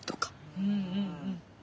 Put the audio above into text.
うんうんうん。